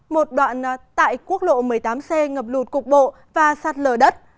một đoạn tại quốc lộ một mươi tám c ngập lụt cục bộ và sát lở đất